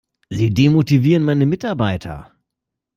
Sie demotivieren meine Mitarbeiter!